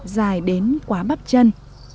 dài đến quá bắp chân